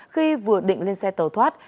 khi vừa định lên xe tàu thoát